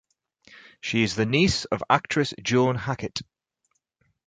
She is the niece of actress Joan Hackett.